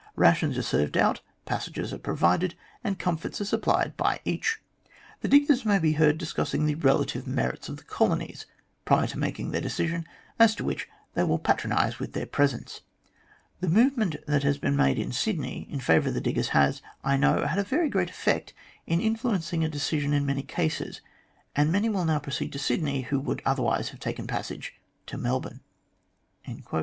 Rations are served out, passages are provided, and comforts are supplied by each. The diggers may be heard discussing the relative merits of the colonies, prior to making their decision as to which they will patronise with their presence. The movement that has been made in Sydney in favour of the diggers has, I know, had a very great effect in influencing a decision in many cases, and many will now pro ceed to Sydney who would otherwise have taken passage to Melbourne."